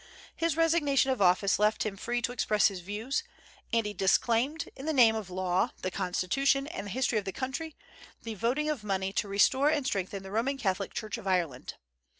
His resignation of office left him free to express his views; and he disclaimed, in the name of law, the constitution, and the history of the country, the voting of money to restore and strengthen the Roman Catholic Church of Ireland.